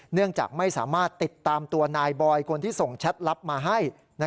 เนื่องจากไม่สามารถติดตามตัวนายบอยคนที่ส่งแชทลับมาให้